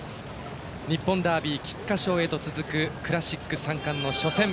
日本ダービー、菊花賞へと続くクラシック三冠の初戦。